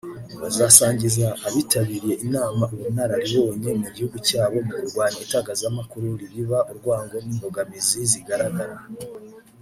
bazasangiza abitabiriye inama ubunararibonye mu gihugu cyabo bwo kurwanya itangazamakuru ribiba urwango n’imbogamizi zigaragara